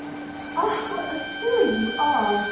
"Ah, what a silly you are!"